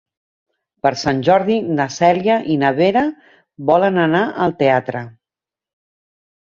Per Sant Jordi na Cèlia i na Vera volen anar al teatre.